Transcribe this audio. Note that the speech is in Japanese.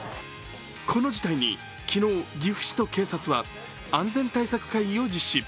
この事態に昨日、岐阜市と警察は安全対策会議を実施。